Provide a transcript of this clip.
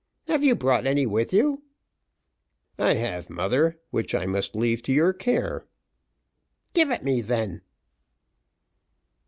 Have you brought any with you?" "I have, mother, which I must leave to your care." "Give it me then."